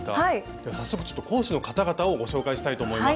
では早速講師の方々をご紹介したいと思います。